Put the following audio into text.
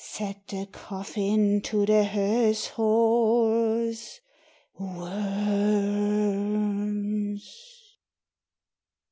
Said the coffin to the hearse horse, "Worms!"